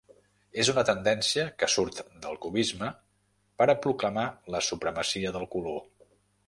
És una tendència que surt del cubisme per a proclamar la supremacia del color.